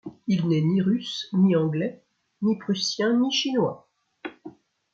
Il n’est ni Russe, ni Anglais, ni Prussien, ni Chinois !